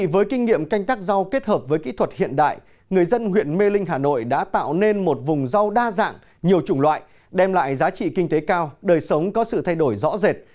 với kinh nghiệm canh tác rau kết hợp với kỹ thuật hiện đại người dân huyện mê linh hà nội đã tạo nên một vùng rau đa dạng nhiều chủng loại đem lại giá trị kinh tế cao đời sống có sự thay đổi rõ rệt